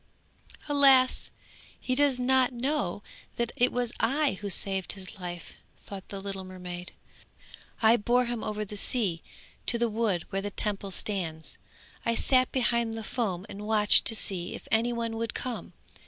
'Alas! he does not know that it was I who saved his life,' thought the little mermaid. 'I bore him over the sea to the wood where the Temple stands. I sat behind the foam and watched to see if any one would come.